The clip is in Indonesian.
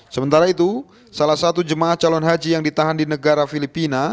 sementara itu salah satu jemaah calon haji yang ditahan di negara filipina